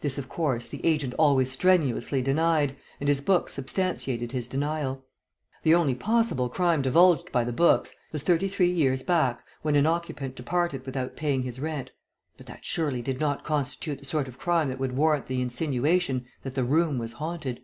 This, of course, the agent always strenuously denied, and his books substantiated his denial. The only possible crime divulged by the books, was thirty three years back when an occupant departed without paying his rent, but that surely did not constitute the sort of crime that would warrant the insinuation that the room was haunted.